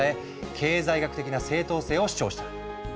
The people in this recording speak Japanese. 経済学的な正当性を主張した。